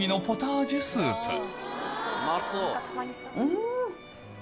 うん。